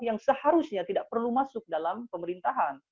yang seharusnya tidak perlu masuk dalam pemerintahan